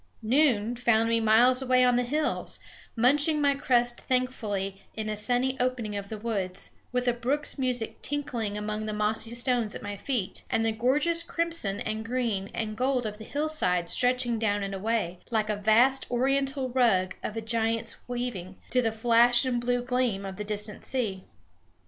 Noon found me miles away on the hills, munching my crust thankfully in a sunny opening of the woods, with a brook's music tinkling among the mossy stones at my feet, and the gorgeous crimson and green and gold of the hillside stretching down and away, like a vast Oriental rug of a giant's weaving, to the flash and blue gleam of the distant sea.